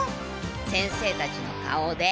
先生たちの顔で。